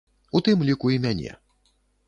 У тым ліку і мяне.